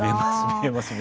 見えますね。